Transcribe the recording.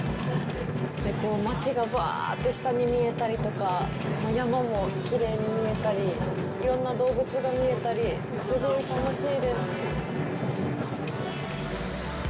街がぶわあって下に見えたりとか山もきれいに見えたりいろんな動物が見えたりすごい楽しいです。